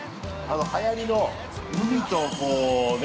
はやりの海とこうね